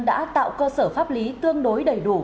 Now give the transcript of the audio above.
đã tạo cơ sở pháp lý tương đối đầy đủ